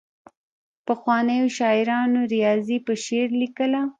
پخوانیو شاعرانو ریاضي په شعر لیکله.